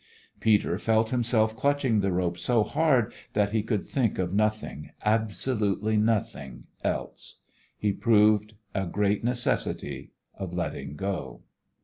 Peter felt himself clutching the rope so hard that he could think of nothing, absolutely nothing, else. He proved a great necessity of letting go.